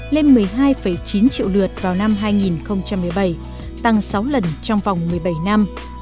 lên một mươi hai chín triệu lượt vào năm hai nghìn một mươi bảy tăng sáu lần trong vòng một mươi bảy năm